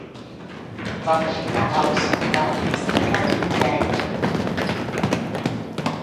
Va kuna nat asumɓa simray si net ɗà.